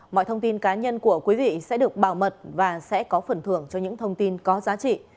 mọi thông tin cá nhân của quý vị sẽ được bảo mật và sẽ có phần thưởng cho những thông tin có giá trị